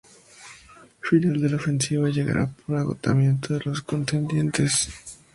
El final de la ofensiva llegará por agotamiento de los contendientes.